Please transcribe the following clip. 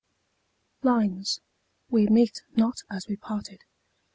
LINES: 'WE MEET NOT AS WE PARTED'.